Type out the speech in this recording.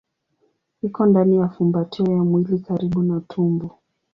Iko ndani ya fumbatio ya mwili karibu na tumbo.